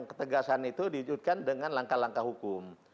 ketegasan itu diwujudkan dengan langkah langkah hukum